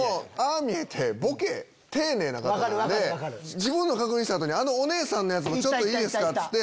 自分の確認した後にあのお姉さんのやつも「ちょっといいですか？